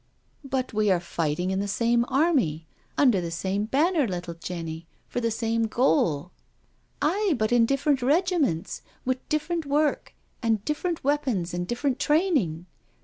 " But we are fighting in the same army — under the same banner, little Jenny — for the same goal." " Aye, but in different regiments, with different work and different weapons and different training.